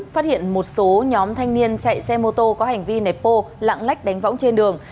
phát hiện một số nhóm thanh niên chạy xe mô tô có hành vi nẹp bô lãng lách đánh võng trên đường